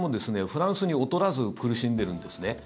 フランスに劣らず苦しんでるんですね。